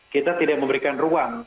kita tidak memberikan ruang